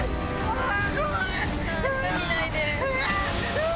うわ！